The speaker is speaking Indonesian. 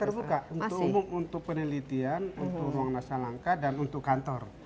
terbuka untuk umum untuk penelitian untuk ruang nasa langka dan untuk kantor